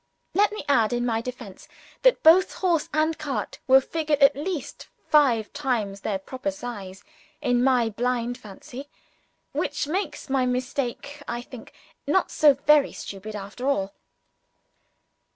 Let me add in my own defence that both horse and cart were figured at least five times their proper size in my blind fancy, which makes my mistake, I think, not so very stupid after all.